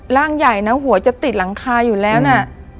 ร่างใหญ่นะหัวจะติดหลังคาอยู่แล้วนะ